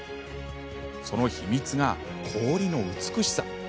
その秘密が氷の美しさ。